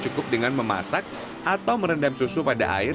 cukup dengan memasak atau merendam susu pada air